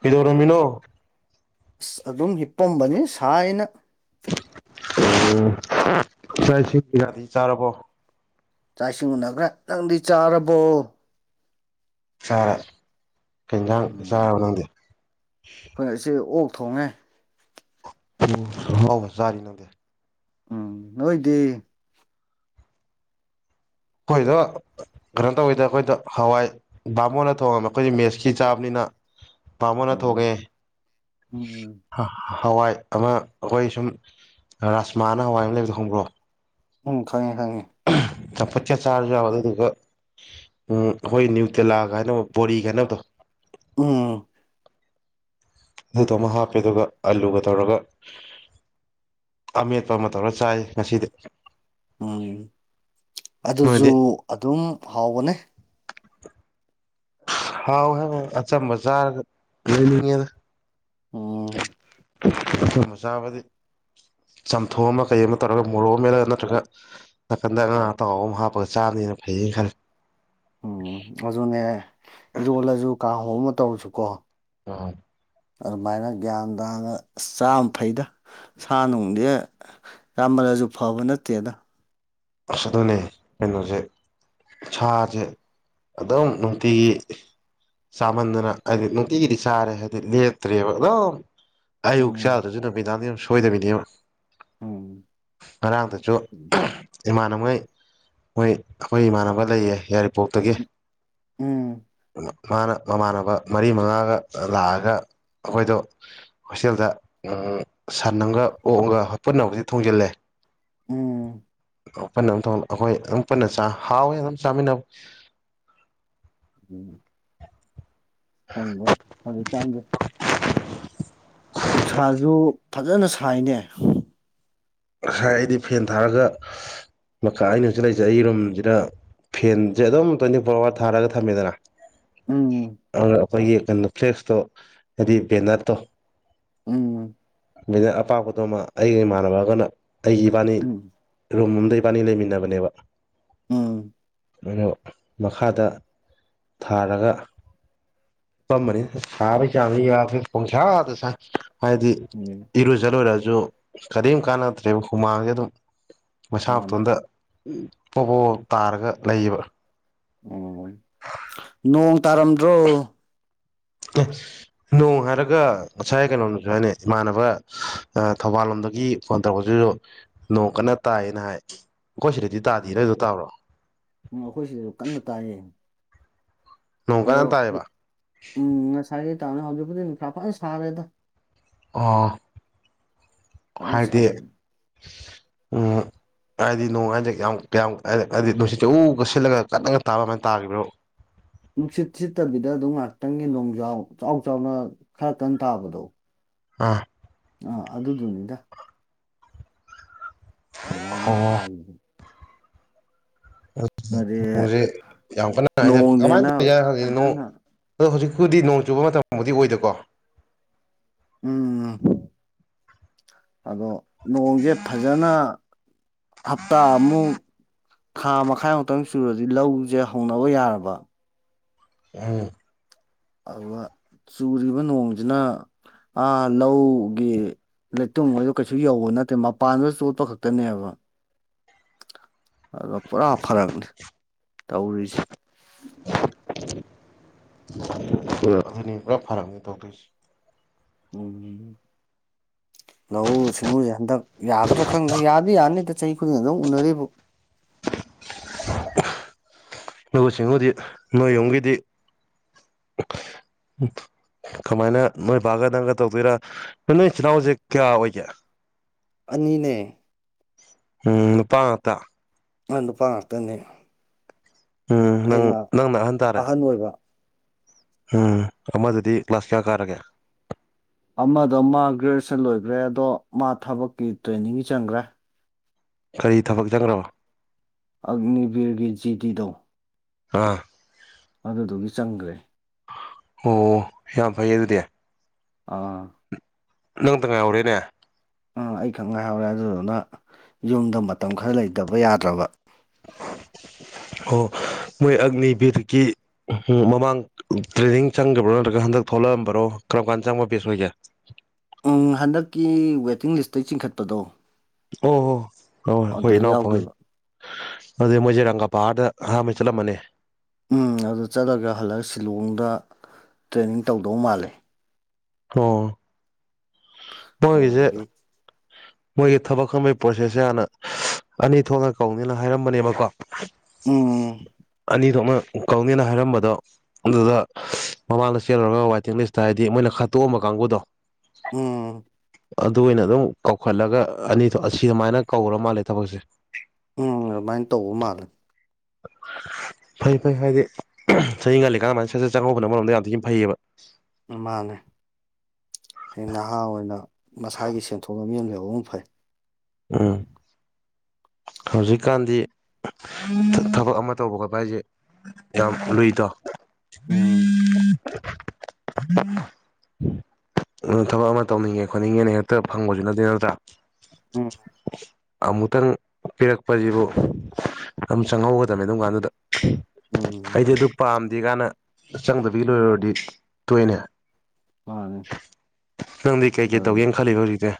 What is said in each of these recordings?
ꯀꯩꯗꯧꯔꯝꯃꯤꯅꯣ ꯑꯁ ꯑꯗꯨꯝ ꯍꯤꯞꯄꯝꯕꯅ‌ꯦ ꯁꯥꯏꯅ ꯎꯝ ꯆꯥꯛ ꯏꯁꯤꯡꯒꯗꯤ ꯆꯥꯔꯕꯣ ꯆꯥꯛ ꯏꯁꯤꯡ ꯎꯅꯒ꯭ꯔ‌ꯦ ꯅꯪꯗꯤ ꯆꯥꯔꯕꯣ ꯆꯥꯔꯦ ꯀꯩꯑ‌ꯦꯟꯖꯥꯡ ꯆꯥꯔꯕ ꯎꯝ ꯅꯪꯗꯤ ꯑꯩꯈꯣꯏ ꯉꯁꯤ ꯑꯣꯛ ꯊꯣꯡꯉꯦ ꯘꯍꯥꯎꯕ ꯆꯥꯔꯤ ꯅꯪꯗꯤ ꯎꯝ ꯅꯣꯏꯗꯤ ꯈꯣꯏꯁꯨ ꯀꯩꯅꯣ ꯇꯧꯋꯤꯗ ꯑꯩꯈꯣꯏꯗꯤ ꯍꯋꯥꯏ ꯕꯥꯃꯣꯟꯅ ꯊꯣꯡꯉꯝꯃꯦ ꯑꯩꯈꯣꯏꯗꯤ ꯃꯦꯠꯁꯀꯤ ꯆꯥꯕꯅꯤꯅ ꯕꯥꯃꯣꯟꯅ ꯊꯣꯡꯉꯦ ꯎꯝ ꯎꯝ ꯍꯋꯥꯏ ꯑꯃ ꯑꯩꯈꯣꯏ ꯁꯨꯝ ꯔꯥꯁꯃꯥꯅ ꯍꯋꯥꯏ ꯑꯃ ꯂꯩꯕꯗꯣ ꯈꯪꯕ꯭ꯔꯣ ꯎꯝ ꯈꯪꯉꯦ ꯈꯪꯉꯦ ꯆꯝꯐꯨꯠꯀ ꯆꯥꯔꯖꯨ ꯌꯥꯕ ꯑꯗꯨꯗꯨꯒ ꯎꯝ ꯑꯩꯈꯣꯏ ꯅ꯭ꯌꯨꯇꯦꯂꯥ ꯀꯥꯏ ꯍꯥꯏꯅꯕ ꯕꯣꯔꯤ ꯀꯥꯏ ꯍꯥꯏꯅꯕꯗꯣ ꯎꯝ ꯑꯗꯨꯗꯣ ꯑꯃ ꯍꯥꯞꯄꯦ ꯑꯗꯨꯒ ꯑꯂꯨꯒ ꯇꯧꯔꯒ ꯑꯃꯦꯠꯄ ꯑꯃ ꯇꯧꯔꯒ ꯆꯥꯏ ꯉꯁꯤꯗꯤ ꯎꯝ ꯑꯗꯨꯁꯨ ꯅꯣꯏꯗꯤ ꯑꯗꯨꯝ ꯍꯥꯎꯕꯅꯦ ꯍꯥꯎ ꯍꯥꯏꯕ ꯋꯥꯅꯦ ꯑꯆꯝꯕ ꯆꯥꯔꯒ ꯂꯩꯅꯤꯡꯉꯦꯗ ꯎꯝ ꯑꯗꯨꯒꯨꯝꯕ ꯆꯥꯕꯗꯤ ꯆꯥꯝꯊꯣꯛ ꯑꯃ ꯀꯩ ꯑꯃ ꯇꯧꯔꯒ ꯃꯣꯔꯣꯛ ꯑꯃ ꯃꯦꯠꯂꯒ ꯅꯠꯇ꯭ꯔꯒ ꯅꯥꯀꯟꯗ ꯉꯥ ꯑꯇꯥꯎꯕ ꯑꯃ ꯍꯥꯞꯄꯒ ꯆꯥꯕꯅ ꯐꯩꯌꯦꯅ ꯈꯜꯂꯦ ꯎꯝ ꯑꯗꯨꯅꯦ ꯏꯔꯣꯜꯂꯁꯨ ꯀꯥꯡꯒꯧ ꯑꯃ ꯇꯧꯔꯁꯨꯀꯣ ꯎꯝ ꯑꯗꯨꯃꯥꯏꯅ ꯒ꯭ꯌꯥꯟ ꯇꯥꯅ ꯆꯥꯕꯅ ꯐꯩꯗ ꯁꯥ ꯅꯨꯡꯗꯤ ꯆꯥꯃꯜꯂꯁꯨ ꯐꯕ ꯅꯠꯇꯦꯗ ꯑꯁ ꯑꯗꯨꯅꯦ ꯀꯩꯅꯣꯁꯦ ꯁꯥꯖꯦ ꯑꯗꯨꯝ ꯅꯨꯡꯇꯤꯒꯤ ꯆꯥꯃꯟꯗꯅ ꯍꯥꯏꯗꯤ ꯅꯨꯡꯇꯤꯒꯤꯗꯤ ꯆꯥꯔꯦ ꯍꯥꯏꯗꯤ ꯂꯦꯞꯇ꯭ꯔꯦꯕ ꯑꯗꯨꯝ ꯑꯌꯨꯛ ꯎꯝ ꯆꯥꯗ꯭ꯔꯖꯨ ꯅꯨꯃꯤꯗꯥꯡꯅꯤ ꯗꯨꯝ ꯁꯣꯏꯗꯕꯤꯅꯦꯕ ꯎꯝ ꯉꯔꯥꯡꯇꯁꯨ ꯏꯃꯥꯟꯕꯉꯩ ꯃꯣꯏ ꯑꯩꯈꯣꯏ ꯏꯃꯥꯟꯅꯕ ꯂꯩꯌꯦ ꯌꯥꯏꯔꯤꯄꯣꯛ [unintelligible] ꯇꯒꯤ ꯎꯝ ꯃꯥꯅ ꯃꯃꯥꯟꯅꯕ ꯃꯔꯤ ꯃꯉꯥꯒ ꯂꯥꯛꯑꯒ ꯑꯩꯈꯣꯏꯗꯣ ꯍꯣꯁꯇꯦꯜꯗ ꯎꯝ ꯁꯥꯟ ꯑꯃꯒ ꯑꯣꯛꯑꯝꯒ ꯄꯨꯟꯅꯕꯨꯗꯤ ꯊꯣꯡꯖꯤꯜꯂꯦ ꯎꯝ ꯄꯨꯟꯅ ꯑꯗꯨꯝ ‌ꯊꫭꯡ ꯑꯩꯈꯣꯏ ꯑꯗꯨꯝ ꯄꯨꯟꯅ ꯆꯥ ꯍꯥꯎꯋꯦ ꯑꯗꯨꯝ ꯆꯥꯃꯤꯟꯅꯕ ꯎꯝ ꯈꯪꯗꯦ ꯍꯧꯖꯤꯛꯀꯥꯟꯁꯦ ꯅꯨꯡꯁꯥꯁꯨ ꯐꯖꯅ ꯁꯥꯏꯅꯦ ꯉꯁꯥꯏ ꯑꯩꯗꯤ ꯐꯦꯟ ꯊꯥꯔꯒ ꯃꯈꯥ ꯑꯩꯅ ꯍꯧꯖꯤꯛ ꯂꯩꯖꯩ ꯑꯩ ꯔꯨꯝꯁꯤꯗ ꯐꯦꯟꯁꯦ ꯑꯗꯨꯝ ꯇꯣꯟꯇꯤꯐꯣꯔ ꯑꯋꯥꯔ ꯊꯥꯔꯒ ꯊꯝꯃꯦꯗꯅ ꯎꯝ ꯑꯗꯨ ꯑꯩꯈꯣꯏꯒꯤ ꯀꯩꯅꯣ ꯐ꯭ꯂꯦꯛꯁꯇꯣ ꯍꯥꯏꯗꯤ ꯕꯦꯅꯠꯇꯣ ꯎꯝ ꯑꯩꯅ ꯑꯄꯥꯛꯄꯗꯣꯃ ꯑꯩꯒ ꯏꯃꯥꯟꯅꯕꯒꯅ ꯑꯩꯒꯤ ꯏꯕꯥꯅꯤ ꯎꯝ ꯔꯨꯝ ꯑꯝꯗ ꯏꯕꯥꯅꯤ ꯂꯩꯃꯤꯟꯅꯕꯅꯦꯕ ꯎꯝ ꯃꯣꯏꯗꯣ ꯃꯈꯥꯗ ꯊꯥꯔꯒ ꯍꯤꯄꯥꯝꯕꯅꯤꯗ ꯁꯥꯕꯩ ꯆꯥꯡꯁꯤ ꯌꯥꯗꯔꯦ ꯄꯣꯡꯁꯥꯗꯁꯥꯏ꯫ ꯍꯥꯏꯗꯤ ꯎꯝ ꯏꯔꯨꯖꯂꯣꯏꯨꯔꯁꯨ ꯀꯔꯤꯝ ꯀꯥꯟꯅꯛꯇꯗ꯭ꯔꯦꯕ ꯍꯨꯃꯥꯡꯁꯦ ꯑꯗꯨꯝ ꯃꯩꯁꯥ ꯃꯥꯅꯦ ꯃꯇꯣꯟꯗ ꯄꯣꯕ ꯄꯣꯕ ꯇꯥꯔꯒ ꯂꯩꯌꯦꯕ ꯑꯣ ꯅꯣꯡ ꯇꯥꯔꯝꯗ꯭ꯔꯣ꯫ ꯑꯁ ꯅꯣꯡ ꯍꯥꯏꯔꯒ ꯉꯁꯥꯏ ꯀꯩꯅꯣꯝꯁꯨ ꯍꯥꯏꯅꯦ ꯏꯃꯥꯟꯅꯕ ꯊꯧꯕꯥꯜ ꯂꯣꯝꯗꯒꯤ ꯐꯣꯟ ꯇꯧꯔꯛꯄꯁꯤꯁꯨ ꯅꯣꯡ ꯀꯟꯅ ꯇꯥꯏꯌꯦꯅ ꯍꯥꯏ ꯑꯩꯈꯣꯏ ꯁꯤꯗꯗꯤ ꯇꯥꯗꯦ ꯅꯣꯏꯗꯣ ꯇꯥꯕꯔꯣ꯫ ꯎꯝ ꯑꯩꯈꯣꯏ ꯁꯤꯗꯁꯨ ꯀꯟꯅ ꯇꯥꯏꯌꯦ꯫ ꯅꯣꯡ ꯑꯗꯣ ꯀꯟꯅ ꯇꯥꯏꯌꯦꯕ ꯎꯝ ꯉꯁꯥꯏꯒꯤ ꯇꯥꯕꯅꯦ ꯍꯧꯖꯤꯛꯄꯨꯗꯤ ꯅꯨꯡꯁꯥ ꯐꯟ ꯁꯥꯔꯦꯗ ꯑꯣ꯫ ꯐꯖꯅ ꯍꯥꯏꯗꯤ ꯁꯥꯒꯠꯂꯦ ꯑ ꯍꯥꯏꯗꯤ ꯅꯣꯡ ꯍꯥꯏꯗꯤ ꯌꯥꯝ ꯀꯌꯥꯝ ꯍꯥꯏꯗꯤ ꯅꯨꯡꯁꯤꯠ ꯎꯒ ꯁꯤꯜꯂꯒ ꯀꯠꯅꯒ ꯇꯥꯕ ꯑꯃꯥꯏꯅ ꯇꯥꯈꯤꯕ꯭ꯔꯥꯕ ꯅꯨꯡꯁꯤꯠ ꯁꯤꯠꯇꯕꯤꯗ ꯑꯗꯨꯝ ꯉꯥꯏꯍꯥꯛꯇꯪꯒꯤ ꯂꯣꯡꯖꯥꯎ ꯆꯥꯎ ꯆꯥꯎꯅ ꯈꯔ ꯀꯟ ꯇꯥꯕꯗꯣ ꯑꯥ ꯑꯥ ꯑꯗꯨꯗꯨꯅꯤꯗ꯫ ꯑꯗꯨꯃꯥꯏꯅ ꯑꯣ ꯇꯥꯒꯤ ꯀꯔꯤ ꯅꯣꯡꯁꯦ ꯌꯥꯝ ꯀꯟꯅ ꯍꯥꯏ ꯀꯃꯥꯏꯅ ꯅꯣꯡꯅꯦꯅ ꯇꯧ ꯈꯪꯉꯗꯦ ꯅꯣ ꯐꯖꯅ ꯑꯗꯣ ꯍꯧꯖꯤꯛꯄꯨꯗꯤ ꯅꯣꯡ ꯆꯨꯕ ꯃꯇꯝꯕꯨꯗꯤ ꯑꯣꯏꯗꯣꯏꯀꯣ꯫ ꯎꯝ ꯑꯗꯣ ꯅꯣꯡꯁꯦ ꯐꯖꯅ꯫ ꯍꯞꯇꯥ ꯃꯨꯛ ꯊꯥ ꯃꯈꯥꯏꯃꯨꯛꯇꯪ ꯆꯨꯔ ꯂꯧꯁꯦ ꯍꯧꯅꯕ ꯌꯥꯔꯕ [unintelligible] ꯑꯗꯨꯒ ꯆꯨꯔꯤꯕ ꯅꯣꯡꯖꯤꯅ ꯑꯥ ꯂꯧꯒꯤ ꯂꯩꯇꯨꯝꯒꯩꯗꯣ ꯀꯩꯁꯨ ꯌꯧꯕ ꯅꯠꯇꯦ ꯃꯄꯥꯟꯗꯨꯗ ꯆꯣꯠꯄ ꯈꯛꯇꯅꯦꯕ [inaudible] ꯑꯗꯣ ꯄꯨꯔꯥ ꯐꯔꯛꯅꯤ ꯇꯧꯔꯤꯁꯤ ꯇꯣꯛꯇꯣꯏꯔꯥ ꯈꯪꯗꯦ ꯄꯨꯔꯥ ꯐꯔꯛꯅꯤ ꯇꯧꯗꯣꯏꯁꯤ ꯅꯣꯡꯅꯤꯅꯤ ꯂꯧꯎ ꯁꯤꯡꯎꯖꯦ ꯍꯟꯗꯛ ꯌꯥꯒꯗ꯭ꯔꯥ ꯈꯪꯗꯦ ꯌꯥꯗꯤ ꯌꯥꯅꯤꯇꯥ ꯆꯍꯤ ꯈꯨꯗꯤꯡꯒꯤ ꯑꯗꯨꯝ ꯎꯅꯔꯤꯕꯨ ꯂꯧꯎ ꯁꯤꯡꯎꯗꯤ ꯅꯣꯏ ꯌꯨꯝꯒꯤꯗꯤ [unintelligible] ꯀꯃꯥꯏꯅ ꯅꯣꯏ ꯕꯥꯒ ꯅꯪꯒ ꯇꯧꯕꯗꯣꯏꯔꯥ ꯅꯣꯏ ꯏꯆꯤꯜ ꯏꯅꯥꯎꯖꯦ ꯀꯌꯥ ꯑꯣꯏꯒꯦ ꯑꯅꯤꯅꯦ ꯎꯝ ꯅꯨꯄꯥ ꯉꯛꯇꯥ [unintelligible] ꯅꯨꯄꯥ ꯉꯥꯛꯇꯅꯦ ꯎꯝ ꯅꯪ ꯑꯩꯅ ꯅꯪꯅ ꯇꯥꯔꯦ ꯑꯍꯟ ꯑꯣꯏꯕ ꯎꯝ ꯑꯃꯗꯨꯗꯤ ꯀ꯭ꯂꯥꯁ ꯀꯌꯥ ꯀꯥꯔꯥꯒꯦ ꯑꯃꯗꯣ ꯃꯥ ꯒ꯭ꯔꯦꯖꯨꯑꯦꯁꯟ ꯂꯣꯏꯒ꯭ꯔꯦ ꯑꯗꯣ ꯃꯥ ꯊꯕꯛꯀꯤ ꯇ꯭ꯔꯦꯅꯤꯡꯒꯤ ꯆꯪꯒ꯭ꯔꯦ ꯀꯔꯤ ꯊꯕꯛ ꯆꯪꯒ꯭ꯔꯥꯕ ꯑꯒꯅꯤꯕꯤꯔꯒꯤ ꯖꯤꯗꯤꯗꯣ ꯑꯥ ꯑꯗꯨꯗꯨꯒꯤ ꯆꯪꯒ꯭ꯔꯦ ꯑꯣ ꯌꯥꯝ ꯐꯩ ꯑꯗꯨꯗꯤ ꯑꯥ ꯅꯪꯇꯥ ꯉꯥꯏꯍꯧꯔꯦꯅꯦ ꯑꯥ ꯑꯩꯈꯛ ꯉꯥꯏꯍꯧꯔꯦ ꯑꯗꯨꯗꯨꯅ ꯌꯨꯝꯗ ꯃꯇꯝ ꯈꯔ ꯂꯩꯇꯕ ꯌꯥꯗ꯭ꯔꯥꯕ ꯑꯣ ꯃꯣꯏ ꯑꯒꯅꯤꯕꯤꯔꯒꯤ ꯎꯝ ꯃꯃꯥꯡ ꯇ꯭ꯔꯦꯅꯤꯡ ꯆꯪꯒ꯭ꯔꯥꯕꯣ ꯅꯠꯇ꯭ꯔꯥꯒ ꯍꯟꯗꯛ ꯊꯣꯛꯂꯛꯑꯝꯕꯔꯣ ꯀꯔꯝ ꯀꯥꯟꯗ ꯆꯪꯕ ꯕꯦꯁ ꯑꯣꯏꯒꯦ ꯎꯝ ꯍꯟꯗꯛꯀꯤ ꯋꯦꯇꯤꯡ ꯂꯤꯁꯇꯩ ꯆꯤꯡꯈꯠꯄꯗꯣ ꯑꯣ ꯍꯣ ꯍꯣꯏ ꯍꯣꯏ ꯈꯣꯏ ꯑꯗꯨꯗ ꯏꯅꯥꯎꯄꯥꯍꯣꯏ ꯌꯥꯎꯒꯤꯕ ꯑꯗꯨꯗꯤ ꯃꯣꯏꯖꯦ ꯔꯪꯒꯥ ꯄꯥꯔꯗ ꯑꯍꯥꯝꯕꯩ ꯆꯠꯂꯝꯃꯅꯤ ꯎꯝ ꯑꯗꯨꯗ ꯆꯠꯂꯒ ꯍꯜꯂꯥꯒ ꯁꯤꯂꯣꯡꯗ ꯇ꯭ꯔꯦꯅꯤꯡ ꯇꯧꯗꯧ ꯃꯥꯜꯂꯦ ꯑꯣ ꯃꯣꯏꯒꯤꯖꯦ ꯑꯗꯨꯗꯨꯒꯤ ꯃꯣꯏꯒꯤ ꯊꯕꯛ ꯈꯟꯕꯩ ꯄ꯭ꯔꯣꯁꯦꯁꯁꯦ ꯍꯥꯟꯅ ꯑꯅꯤ ꯊꯣꯛꯅ ꯀꯧꯅꯤꯅ ꯍꯥꯏꯔꯝꯕꯅꯦꯕꯀꯣ ꯎꯝ ꯑꯅꯤ ꯊꯣꯛꯅ ꯀꯧꯅꯤꯅ ꯍꯥꯏꯔꯝꯕꯗꯣ ꯑꯗꯨꯗ ꯃꯃꯥꯡꯗ ꯆꯦꯜꯂꯨꯔꯒ ꯋꯥꯏꯇꯤꯡ ꯂꯤꯁꯇꯥ ꯍꯥꯏꯗꯤ ꯃꯣꯏꯅ ꯈꯠꯇꯣꯛꯑꯝꯕ ꯀꯥꯡꯕꯨꯗꯣ ꯎꯝ ꯑꯗꯨ ꯑꯣꯏꯅ ꯑꯗꯨꯝ ꯀꯧꯈꯠꯂꯒ ꯑꯅꯤ ꯊꯣ ꯑꯁꯤꯑꯃꯥꯏꯅ ꯀꯧꯔ ꯃꯥꯜꯂꯦ ꯊꯕꯛꯁꯦ ꯎꯝ ꯑꯗꯨꯃꯥꯏꯟ ꯇꯧꯕ ꯃꯥꯜꯂꯦ [inaudible] ꯐꯩ ꯐꯩ ꯍꯥꯏꯗꯤ ꯆꯍꯤ ꯉꯜꯂꯤꯀꯥꯟ ꯃꯥꯏꯅ ꯁꯠꯁꯠ ꯆꯪꯍꯧꯕꯅ ꯑꯃꯔꯣꯝꯗ ꯌꯥꯝꯊꯤꯅ ꯐꯩꯌꯦꯕ ꯎꯝ ꯃꯥꯅꯦ ꯍꯌꯦꯡ ꯅꯍꯥ ꯑꯣꯏꯅ ꯃꯁꯥꯒꯤ ꯁꯦꯟꯊꯣꯛ ꯂꯝꯕꯤ ꯑꯝ ꯂꯩꯍꯧꯕꯅ ꯐꯩ ꯎꯝ ꯎꯝ ꯍꯧꯖꯤꯛꯀꯥꯟꯗꯤ ꯊꯥ ꯊꯕꯛ ꯑꯃ ꯇꯧꯕ ꯈꯣꯠꯄ ꯍꯥꯏꯖꯦ ꯌꯥꯝ ꯂꯨꯏꯗꯣ ꯎꯝ [inaudible] ꯎꯝ ꯊꯕꯛ ꯑꯃ ꯇꯧꯅꯤꯡꯉꯦ ꯈꯣꯠꯅꯤꯡꯉꯦꯅ ꯍꯦꯛꯇꯥ ꯐꯪꯕꯖꯨ ꯅꯠꯇꯦ ꯅꯠꯇ꯭ꯔꯥ꯫ ꯎꯝ ꯑꯃꯨꯛꯇꯪ ꯄꯤꯔꯛꯄꯖꯤꯕꯨ ꯑꯗꯨꯝ ꯆꯪꯍꯧꯒꯗꯕꯃꯤ ꯑꯗꯨꯝ ꯀꯥꯟꯗꯨꯗ ꯎꯝ ꯑꯩꯗꯤ ꯑꯗꯨ ꯄꯥꯝꯗꯦ ꯒꯥꯅ ꯆꯪꯗꯕꯤ ꯂꯣꯏꯔꯨꯔꯗꯤ ꯇꯣꯛꯑꯦꯅꯦ꯫ ꯃꯅꯤ ꯅꯪꯗꯤ ꯀꯩꯀꯩ ꯇꯧꯒꯦꯅ ꯈꯜꯂꯤꯕ ꯍꯧꯖꯤꯇꯦ꯫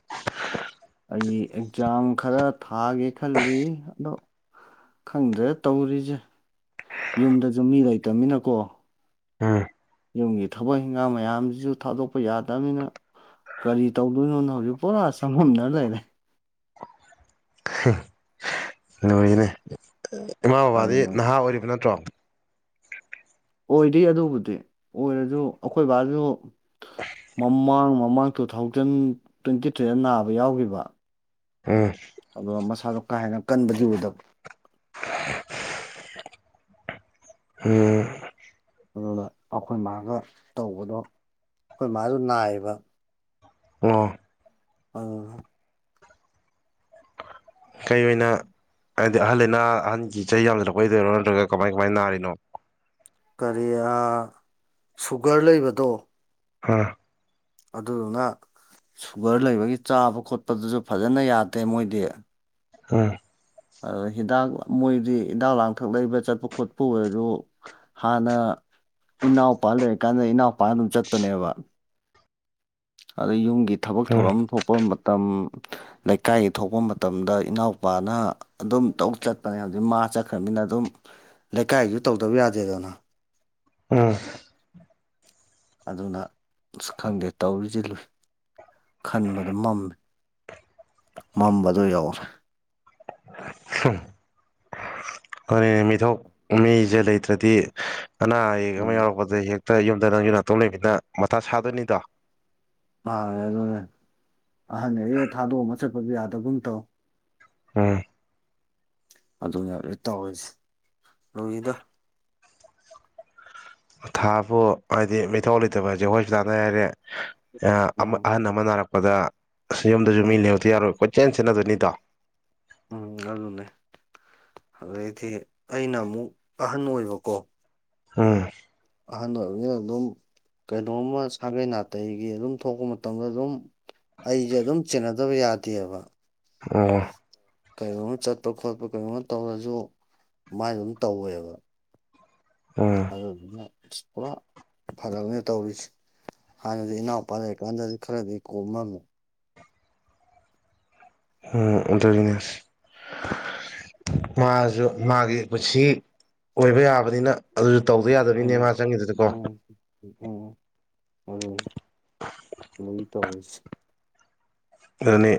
ꯑꯩ ꯑꯦꯛꯖꯥꯝ ꯈꯔ ꯊꯥꯒꯦ ꯈꯜꯂꯤ ꯑꯗꯣ ꯈꯪꯗ꯭ꯔꯦꯗ ꯇꯧꯔꯤꯖꯦ ꯌꯨꯝꯗꯖꯨ ꯃꯤ ꯂꯩꯇꯃꯤꯅꯀꯣ ꯎꯝ ꯌꯨꯝꯒꯤ ꯊꯕꯛ ꯍꯤꯡꯒꯥꯡ ꯃꯌꯥꯝꯖꯤꯖꯨ ꯊꯥꯗꯣꯛꯄ ꯌꯥꯗꯕꯃꯤꯅ ꯀꯔꯤ ꯇꯧꯗꯣꯏꯅꯣꯅ ꯍꯧꯖꯤꯛ ꯄꯨꯔꯥ ꯆꯪꯃꯝꯅ ꯂꯩꯔꯦ꯫ ꯂꯨꯔꯤꯅꯦ ꯏꯃꯥ ꯕꯕꯥꯗꯤ ꯑꯗꯨꯅ ꯅꯍꯥ ꯑꯣꯏꯔꯤꯕ ꯅꯠꯇ꯭ꯔꯣ꯫ ꯑꯣꯏꯔꯤ ꯑꯗꯨꯕꯨꯗꯤ ꯑꯣꯏꯔꯖꯨ ꯑꯈꯣꯏ ꯕꯥꯖꯨ ꯃꯃꯥꯡ ꯃꯃꯥꯡ ꯇꯨ ꯊꯥꯎꯖꯟ ꯇ꯭ꯋꯦꯟꯇꯤ ꯊ꯭ꯔꯤꯗ ꯅꯥꯕ ꯌꯥꯎꯒꯤꯕ꯫ ꯎꯝ ꯑꯗꯨ ꯃꯁꯥꯗꯣ ꯀꯥ ꯍ‌ꯦꯟꯅ ꯀꯟꯕꯗꯤ ꯑꯣꯏꯗꯕ꯫ ꯎꯝ ꯑꯗꯨꯅ ꯑꯩꯈꯣꯏ ꯃꯥꯒ ꯇꯧꯕꯗꯣ ꯑꯩꯈꯣꯏ ꯃꯥꯁꯨ ꯅꯥꯏꯕ ꯑꫭ ꯑ [unintelligible] ꯀꯩ ꯑꯣꯏꯅ ꯍꯥꯏꯗꯤ ꯑꯍꯜ ꯂꯩꯅꯥ ꯑꯍꯟꯒꯤ ꯆꯍꯤ ꯌꯥꯝꯁꯤꯠꯂꯛꯄ ꯑꯣꯏꯗꯣꯏꯔꯣ ꯅꯠꯇ꯭ꯔꯒ ꯀꯃꯥꯏ ꯀꯃꯥꯏꯅ ꯅꯥꯔꯤꯅꯣ ꯀꯔꯤ ꯑꯥ ꯁꯨꯒꯔ ꯂꯩꯕꯗꯣ ꯍꯥ ꯑꯗꯨꯗꯨꯅ ꯁꯨꯒꯔ ꯂꯩꯕꯒꯤ ꯆꯥꯕ ꯈꯣꯠꯄꯗꯨꯁꯨ ꯐꯖꯅ ꯌꯥꯗꯦ ꯃꯣꯏꯗꯤ ꯎꯝ ꯑꯗ ꯍꯤꯗꯥꯛ ꯃꯣꯏꯗꯤ ꯍꯤꯗꯥꯛ ꯂꯥꯡꯊꯛ ꯂꯩꯕ ꯆꯠꯄ ꯈꯣꯠꯄ ꯑꯣꯏꯔꫭ ꯍꯥꯟꯅ ꯏꯅꯥꯎꯄꯥ ꯂꯩꯔꯀꯥꯟꯗ ꯏꯅꯥꯎꯄꯥ ꯑꯗꯨꯝ ꯆꯠꯄꯅꯦꯕ ꯑꯗꯩ ꯌꯨꯝꯒꯤ ꯊꯕꯛ ꯎꯝ ꯊꯧꯔꯝ ꯊꯣꯛꯄꯥ ꯃꯇꯝ ꯂꯩꯀꯥꯏꯒꯤ ꯊꯣꯛꯄ ꯃꯇꯝꯗ ꯏꯅꯥꯎꯄꯥꯅ ꯑꯗꯨꯝ ꯇꯧ ꯆꯠꯄꯅꯦ ꯍꯧꯖꯤꯛ ꯃꯥ ꯆꯠꯈ꯭ꯔꯃꯤꯅ ꯑꯗꯨꯝ ꯂꯩꯀꯥꯏꯁꯨ ꯇꯧꯗꯕ ꯌꯥꯗꯦꯗꯅ ꯎꯝ ꯑꯗꯨꯅ ꯑꯁ ꯈꯪꯗꯦ ꯇꯧꯔꯤꯁꯦ ꯂꯨꯏ ꯈꯟꯕꯗ ꯃꯝꯃꯦ ꯃꯝꯕꯗꯣ ꯌꯧꯔꯦ ꯎꯝ ꯍꯣꯏꯅꯦ ꯃꯤꯊꯣꯛ ꯃꯤꯁꯦ ꯂꯩꯇ꯭ꯔꯗꯤ ꯑꯅꯥ ꯑꯌꯦꯛ ꯑꯃꯥ ꯎꯝ ꯌꯥꯎꯔꯛꯄꯗ ꯍꯦꯛ ꯑ [unintelligible] ꯌꯨꯝꯗ ꯅꯪꯖꯨ ꯅꯥꯇꫭꯝ ꯂꯩꯃꯤꯅ ꯃꯊꯥ ꯁꯥꯗꯣꯏꯅꯤꯗꯣ ꯃꯥꯟꯅ‌ꯦ ꯑꯗꯨꯅꯥ ꯑꯍꯟ ꯒꯩꯁ‌ꯦ ꯊꯥꯗꯣꯛꯑꯝꯃꯥ ꯆꯠꯄꯖꯨ ꯌꯥꯗꯒꯨꯝ ꯇꯧ ꯎꯝ ꯑꯗꯨꯅ ꯍꯧꯖꯤꯛ ꯇꯧꯔꯤꯁꯦ ꯂꯨꯔꯤꯗꯥ ꯃꯊꯥꯕꯨ ꯍꯥꯏꯗꯤ ꯃꯩꯊꯧ ꯂꯩꯇꯕ ꯍꯥꯏꯁꯦ ꯍꯣꯁꯄꯤꯇꯥꯜꯗ ꯍꯥꯏꯔꯦ ꯎꯝ ꯑꯍꯟ ꯑꯃꯥ ꯅꯥꯔꯛꯄ ꯗꯥ ꯑꯁ ꯌꯨꯝꯗꯁꯨ ꯎꯝ ꯃꯤ ꯂꯩꯍꯧꯗ ꯌꯥꯔꯣꯏ ꯀꫭꯏ ꯆꯦꯟ ꯆꯦꯟꯅꯗꯣꯏꯅꯤꯗꯣ ꯎꯝ ꯑꯗꯨꯅꯦ ꯑꯗꯩꯗꯤ ꯑꯩꯅ ꯑꯃꯨꯛ ꯑꯍꯟ ꯑꯣꯏꯕꯀꯣ ꯎꯝ ꯑꯍꯟ ꯑꯣꯏꯕꯅꯤꯅ ꯑꯗꯨꯝ ꯀꯩꯅꯣꯝꯃ ꯁꯥꯒꯩ ꯅꯥꯇꯩꯒꯤ ꯑꯗꯨꯝ ꯊꯣꯛꯄ ꯃꯇꯝꯗ ꯑꯗꯨꯝ ꯑꯩꯁꯦ ꯑꯗꯨꯝ ꯆꯦꯟꯅꯗꯕꯥ ꯌꯥꯗꯦꯕ ꯎꯝ ꯀꯔꯤꯒꯨꯝꯕ ꯆꯠꯄ ꯈꯣꯠꯄ ꯀꯩꯒꯨꯝꯕ ꯇꯧꯔꯁꯨ ꯃꯥꯏ ꯑꯗꯨꯝ ꯇꯧꯋꯦꯕ ꯑ ꯑꯗꯨꯗꯨꯅ ꯄꯨꯔꯥ ꯐꯔꯛꯅꯦ ꯇꯧꯔꯤꯁꯦ ꯍꯥꯟꯅꯗꯤ ꯏꯅꯥꯎꯄꯥ ꯂꯩꯔꯤꯀꯥꯟꯗꯗꯤ ꯈꯔꯗꯤ ꯀꯣꯝꯃꯝꯃꯦ ꯍ [unintelligible] ꯃꯥꯖꯨ ꯃꯥꯒꯤ ꯄꯨꯟꯁꯤ ꯑꯣꯏꯕ ꯌꯥꯕꯅꯤꯅ ꯑꯗꯨꯁꯨ ꯇꯧꯗ ꯌꯥꯗꯕꯅꯤꯅꯦ ꯃꯥ ꯆꯪꯉꯤꯗꯨꯗꯀꯣ ꯎ ꯑꯗꯨꯅꯤ ꯇꯧꯔꯤꯁꯦ ꯑꯗꯨꯅꯤ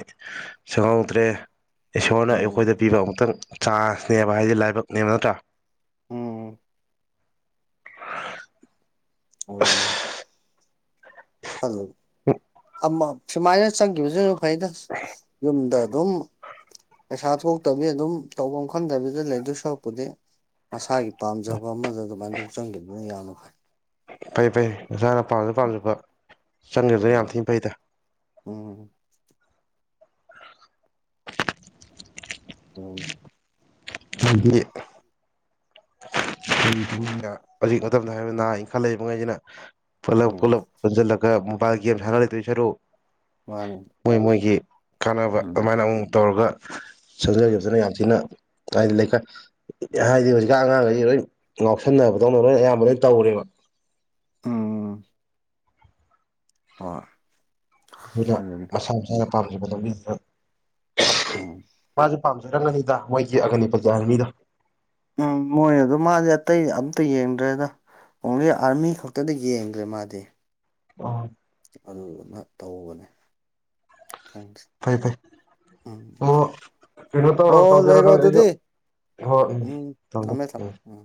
ꯁꯦꯝꯍꯧꯗ꯭ꯔꯦ ꯏꯁꯣꯔꯅ ꯎꯝ ꯑꯩꯈꯣꯏꯗ ꯄꯤꯕ ꯑꯃꯨꯛꯇꯪ ꯆꯥꯖ ꯅꯕ ꯍꯥꯏꯗꯤ ꯂꯥꯏꯕꯛꯅꯦꯕ ꯅꯠꯇ꯭ꯔꯥ ꯎꯝ ꯑꯁ ꯑꯣ ꯑꯗꯨ ꯑꯃ ꯁꯨꯃꯥꯏꯅ ꯆꯪꯈꯤꯕꯁꯨꯅ ꯐꯩꯗ ꯌꯨꯝꯗ ꯑꯗꯨꯝ ꯄꯩꯁꯥ ꯊꯣꯛꯇꯕꯅꯥꯅ ꯑꯗꯨꯝ ꯇꯧꯐꯝ ꯈꯪꯗꯕꯤꯗ ꯂꯩꯗꯣꯏ ꯁꯔꯨꯛꯄꯨꯗꯤ ꯃꯁꯥꯒꯤ ꯄꯥꯝꯖꯕ ꯑꯃꯗ ꯑꯗꯨꯃꯥꯏꯅ ꯆꯪꯗꯅ ꯌꯥꯝꯅ ꯐꯩ ꯐꯩ ꯐꯩ ꯅꯁꯥꯅ ꯄꯥꯝꯖ ꯄꯥꯝꯖꯕ ꯆꯪꯒꯤꯕꯅ ꯌꯥꯝ ꯎꯝ ꯊꯤꯅ ꯐꯩꯗ ꯎꯝ ꯎꯝ ꯍꯥꯏꯗꯤ ꯍꯧꯖꯤꯛ ꯃꯇꯝꯗ ꯍꯥꯏ ꯕꯅꯥ ꯅꯍ ꯏꯪꯈꯠ ꯂꯩꯕꯉꯩꯁꯤꯅ ꯄꯨꯠꯂꯞ ꯎꯝ ꯄꯨꯂꯞ ꯄꯨꯟꯖꯜꯂꯛꯄ ꯃꯣꯕꯥꯏꯜ ꯒꯦꯝ ꯁꯥꯟꯔꯒꯥ ꯂꯩꯗꯣꯏ ꯁꯔꯨꯛ ꯋꯥꯅꯨ ꯃꯣꯏ ꯃꯣꯏꯒꯤ ꯀꯥꯟꯅꯕ ꯑꯗꯨꯃꯥꯏꯅ ꯑꯃꯨꯛ ꯇꯧꯔꯒ ꯎꯝ ꯁꯦꯝꯖꯕꯁꯤꯅ ꯌꯥꯝ ꯊꯤꯅ ꯍꯥꯏꯗꯤ ꯂꯩꯀꯥꯏ ꯍꯥꯏꯗꯤ ꯍꯧꯖꯤꯛꯀꯥꯟ ꯑꯉꯥꯡꯒꯩ ꯂꯣꯏ ꯉꯥꯎꯁꯟꯅꯕꯗꯧꯅ ꯂꯣꯏꯅ ꯑꯌꯥꯝꯕ ꯂꯣꯏ ꯇꯧꯔꯦꯕ ꯎꯝ ꯍꯣꯏ ꯑꯗꯨꯅ ꯑꯗꯨꯅꯤ ꯃꯁꯥ ꯃꯁꯥꯅ ꯄꯥꯝꯖꯕ ꯂꯥꯝꯕꯤꯗꯨꯗ ꯎꯝ ꯃꯥꯁꯨ ꯄꯥꯝꯖꯔꯝꯒꯅꯤꯗ ꯃꯣꯏꯒꯤ ꯑꯒꯅꯤ ꯄꯠ ꯀꯤ ꯑꯔꯃꯤꯗꯣ ꯎꯝ ꯃꯣꯏ ꯑꯗꯨꯝ ꯃꯥꯗꯤ ꯑꯇꯩ ꯑꯝꯇ ꯌꯦꯡꯗ꯭ꯔꯦꯗ ꯑꯣꯡꯂꯤ ꯑꯥꯔꯃꯤ ꯈꯛꯇꯗ ꯌꯦꯡꯒ꯭ꯔꯦ ꯃꯥꯗꯤ ꯑꯣ ꯑꯗꯨꯗꯨꯅ ꯇꯧꯕꯅꯦ ꯈꯪꯗꯦ ꯐꯩ ꯐꯩ ꯎꯝ ꯑꯣ ꯀꯩꯅꯣ ꯇꯧꯔꯣ ꯑꯣ ꯇꯧꯖꯔꯣ ꯂꯩꯔꯣ ꯅꯪꯁꯨ ꯑꯩꯖꯨ ꯑꯗꯨꯗꯤ ꯍꯣꯏ ꯎꯝ ꯊꯝ ꯊꯝꯃꯦ ꯊꯝꯃꯦ ꯊꯝ ꯎꯝ